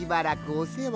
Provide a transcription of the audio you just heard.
おせわ！？